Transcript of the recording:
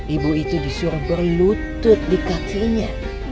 ibu itu disuruh berlutut di kakinya